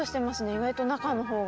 意外と中のほうが。